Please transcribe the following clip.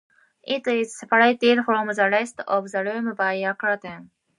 It is separated from the rest of the room by a curtain.